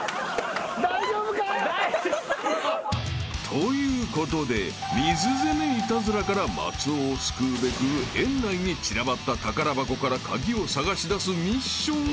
［ということで水責めイタズラから松尾を救うべく園内に散らばった宝箱から鍵を探し出すミッションがスタート］